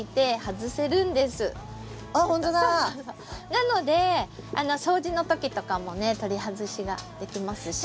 なので掃除の時とかもね取り外しができますし。